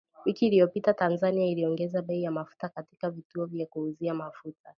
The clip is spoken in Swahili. Wiki iliyopita, Tanzania iliongeza bei ya mafuta katika vituo vya kuuzia mafuta.